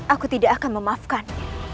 aku tidak akan memaafkan